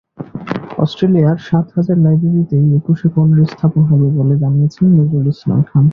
অস্ট্রেলিয়ার সাত হাজার লাইব্রেরিতেই একুশে কর্নার স্থাপন হবে বলে জানিয়েছেন নজরুল ইসলাম খান।